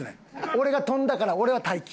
俺は飛んだから俺は待機。